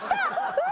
うわ！